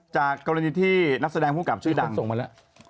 จากกรณีที่นักแสดงผู้กลับชื่อดังส่งมาแล้ว